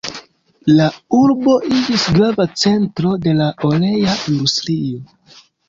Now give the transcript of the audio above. La urbo iĝis grava centro de la olea industrio.